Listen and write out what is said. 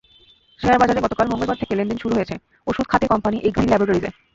শেয়ারবাজারে গতকাল মঙ্গলবার থেকে লেনদেন শুরু হয়েছে ওষুধ খাতের কোম্পানি এক্মি ল্যাবরেটরিজের।